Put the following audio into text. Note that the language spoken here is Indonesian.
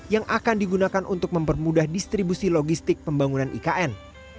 yang akan digunakan untuk mempermudah distribusi logistik pembangunan ikn